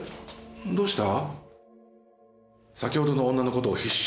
どうした？」